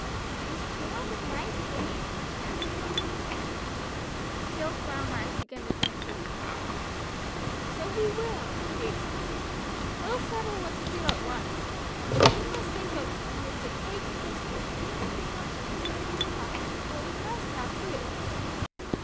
"Is truant a nice game?" asked Bumps. Jill's brown eyes began to dance with mirth. "So we will," she exclaimed. "We'll settle what to do at once. We must save up bits of cake and biscuits, and anything else we can stuff in our pockets, for we must have food."